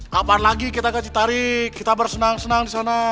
kapan lagi kita ke citarik kita bersenang senang disana